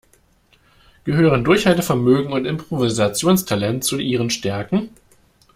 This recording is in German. Gehören Durchhaltevermögen und Improvisationstalent zu Ihren Stärken?